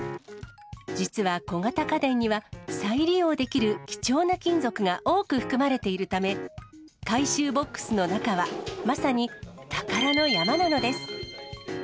実は小型家電には、再利用できる貴重な金属が多く含まれているため、回収ボックスの中は、まさに宝の山なのです。